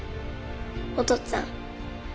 おとっつぁん。